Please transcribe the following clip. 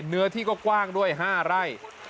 เนื้อที่ก็กว้างด้วย๕ไร่